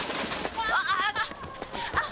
あっ！！